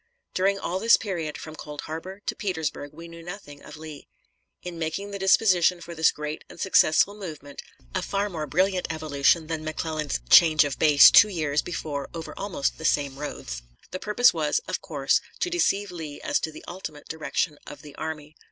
During all this period, from Cold Harbor to Petersburg, we knew nothing of Lee. In making the disposition for this great and successful movement a far more brilliant evolution than McClellan's "change of base" two years before over almost the same roads the purpose was, of course, to deceive Lee as to the ultimate direction of the army.